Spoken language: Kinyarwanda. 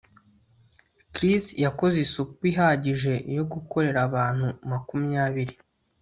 Chris yakoze isupu ihagije yo gukorera abantu makumyabiri